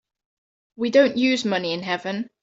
We don't use money in heaven.